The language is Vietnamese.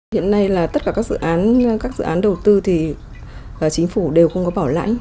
hiện nay là tất cả các dự án đầu tư thì chính phủ đều không có bảo lãnh